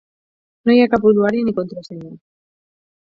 No hi ha cap usuari ni contrasenya.